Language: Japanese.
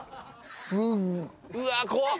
うわ怖っ。